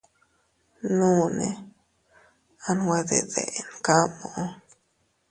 Uune a nwe deden kamu.